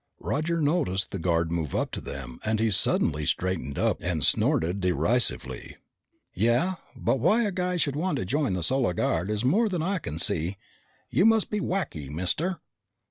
Roger noticed the guard move up to them and he suddenly straightened up and snorted derisively, "Yeah. But why a guy should want to join the Solar Guard is more than I can see. You must be wacky, mister!"